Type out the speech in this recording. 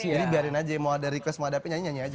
jadi biarin aja mau ada request mau ada apa nyanyi nyanyi aja